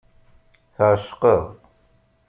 Tɛecqeḍ.